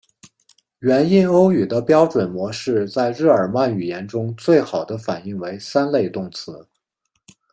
原印欧语的标准模式在日耳曼语言中最好的反映为三类动词。